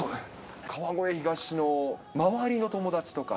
川越東の周りの友達とか。